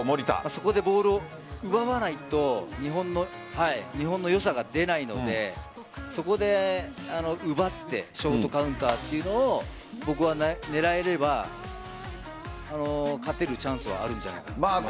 そこでボールを奪わないと日本の良さが出ないのでそこで奪ってショートカウンターというのを僕は狙えれば勝てるチャンスはあるんじゃないかと思います。